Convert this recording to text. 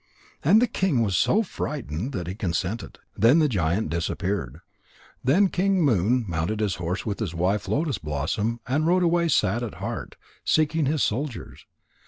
And the king was so frightened that he consented. Then the giant disappeared. Then King Moon mounted his horse with his wife Lotus bloom and rode away sad at heart, seeking for his soldiers.